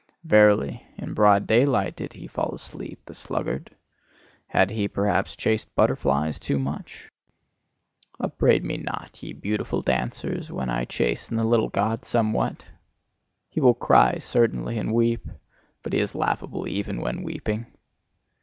Verily, in broad daylight did he fall asleep, the sluggard! Had he perhaps chased butterflies too much? Upbraid me not, ye beautiful dancers, when I chasten the little God somewhat! He will cry, certainly, and weep but he is laughable even when weeping!